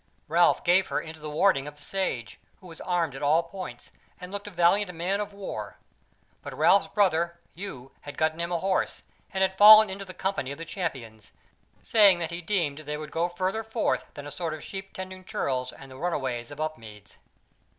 Ralph gave her into the warding of the Sage, who was armed at all points, and looked a valiant man of war. But Ralph's brother, Hugh, had gotten him a horse, and had fallen into the company of the Champions, saying that he deemed they would go further forth than a sort of sheep tending churls and the runaways of Upmeads.